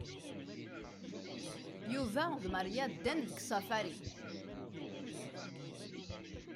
Yuba d Maria ddant deg Safari.